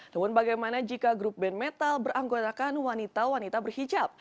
namun bagaimana jika grup band metal beranggotakan wanita wanita berhijab